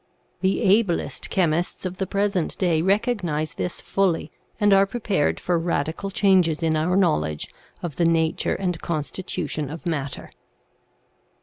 The ablest chemists of the present day recognize this fully and are prepared for radical changes in our knowledge of the nature and constitution of matter.